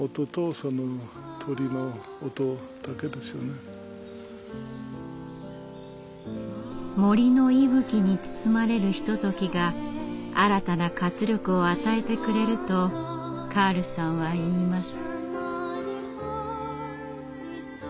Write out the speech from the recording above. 音は森の息吹に包まれるひとときが新たな活力を与えてくれるとカールさんは言います。